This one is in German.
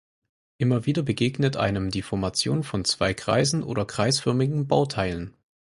Immer wieder begegnet einem die Formation von zwei Kreisen oder kreisförmigen Bauteilen.